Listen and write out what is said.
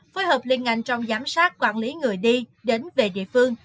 phối hợp liên ngành trong giám sát quản lý người đi đến về địa phương